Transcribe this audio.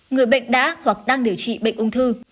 người bệnh đã hoặc đang điều trị bệnh ung thư